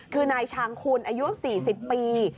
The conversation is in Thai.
คือนายชางคุณอายุ๔๐ปี